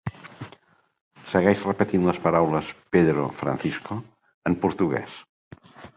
segueix repetint les paraules "Pedro Francisco" en portuguès.